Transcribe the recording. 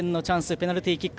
ペナルティーキック。